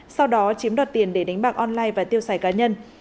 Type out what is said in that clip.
sau đó chiếm đoạt tiền để đánh bạc online và tiêu xài cá nhân